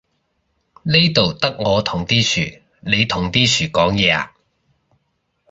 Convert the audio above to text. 呢度得我同啲樹，你同啲樹講嘢呀？